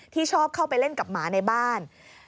ที่ชอบเข้าไปเล่นกับหมาในบ้าน